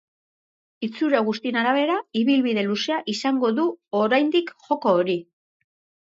Itxura guztien arabera, ibilbide luzea izango du oraindik joko hori.